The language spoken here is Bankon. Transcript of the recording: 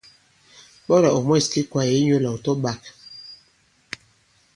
Ɓɔlà ɔ̀ mwɛ̂s ki kwāye inyūlà ɔ̀ tɔ-ɓāk.